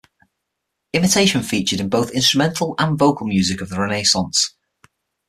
Imitation featured in both instrumental and vocal music of the Renaissance.